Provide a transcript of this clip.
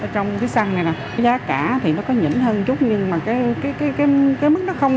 trong cái săn này nè giá cả thì nó có nhỉnh hơn chút nhưng mà cái mức nó không